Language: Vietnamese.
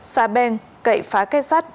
xa beng cậy phá cây sắt